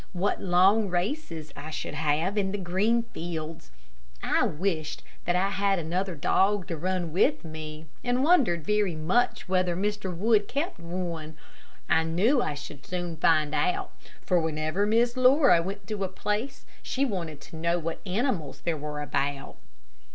What long races I should have in the green fields. I wished that I had another dog to run with me, and wondered very much whether Mr. Wood kept one. I knew I should soon find out, for whenever Miss Laura went to a place she wanted to know what animals there were about.